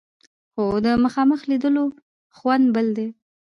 خو د مخامخ لیدلو خوند بل دی.